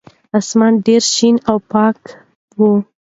اسمان ډېر شین او پاک و.